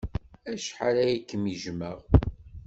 Acḥal ay kem-jjmeɣ!